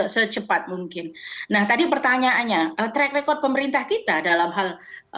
secepat mungkin nah tadi pertanyaannya track record pemerintah kita dalam hal